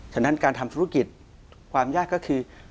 ฉะนั้นการทำธุรกิจความยากก็คือ